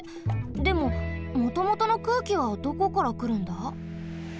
でももともとの空気はどこからくるんだ？